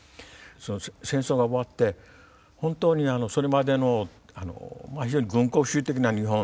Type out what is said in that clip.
戦争が終わって本当にそれまでの非常に軍国主義的な日本。